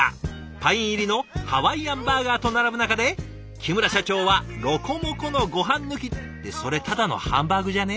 パイン入りのハワイアンバーガーと並ぶ中で木村社長はロコモコのごはん抜きってそれただのハンバーグじゃね？